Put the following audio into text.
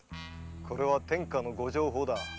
これは天下のご定法だ。